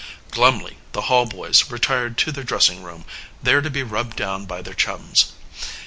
Glumly the Hall boys retired to their dressing room, there to be rubbed down by their chums.